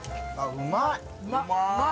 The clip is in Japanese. うまい。